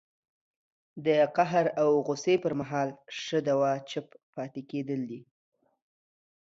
د قهر او غوسې پر مهال ښه دوا چپ پاتې کېدل دي